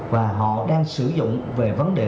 và họ đang sử dụng về văn hóa